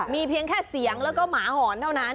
มีเพียงแค่เสียงและหอนเท่านั้น